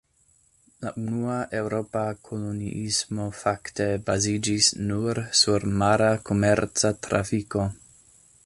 La unua eŭropa koloniismo fakte baziĝis nur sur mara komerca trafiko.